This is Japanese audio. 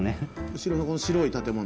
後ろのこの白い建物？